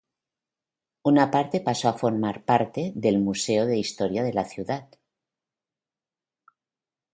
Una parte pasó a formar parte del Museo de Historia de la Ciudad.